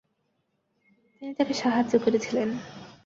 তিনি তাঁকে সাহায্য করেছিলেন।